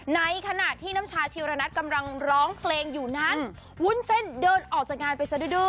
ในขณะที่น้ำชาชีระนัทกำลังร้องเพลงอยู่นั้นวุ้นเส้นเดินออกจากงานไปสะดื้อ